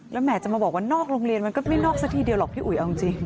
แล้วแหมจะมาบอกว่านอกโรงเรียนมันก็ไม่นอกซะทีเดียวหรอกพี่อุ๋ยเอาจริง